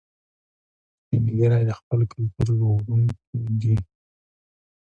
سپین ږیری د خپل کلتور ژغورونکي دي